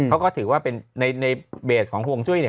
เขาก็ถือว่าเป็นในเบสของห่วงจุ้ยเนี่ย